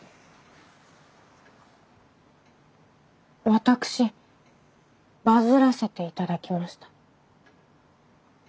私バズらせて頂きました。